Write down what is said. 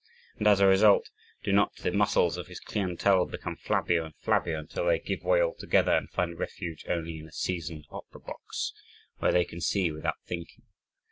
And as a result do not the muscles of his clientele become flabbier and flabbier until they give way altogether and find refuge only in a seasoned opera box where they can see without thinking?